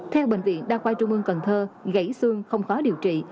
theo bệnh viện đa khoa trung ương cần thơ gãy xương không khó điều trị